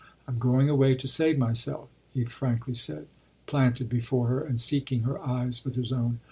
I'm going away to save myself," he frankly said, planted before her and seeking her eyes with his own.